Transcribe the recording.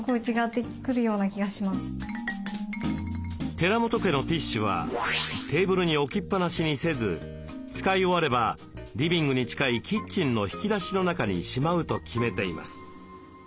寺本家のティッシュはテーブルに置きっぱなしにせず使い終わればリビングに近いキッチンの引き出しの中にしまうと決めています。